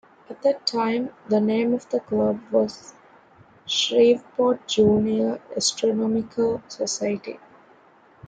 At that time, the name of the club was the Shreveport Junior Astronomical Society.